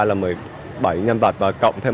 là một mươi bảy nhân vật và cộng thêm